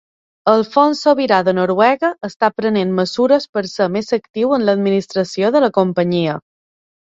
El fons sobirà de Noruega està prenent mesures per ser més actiu en l'administració de la companyia.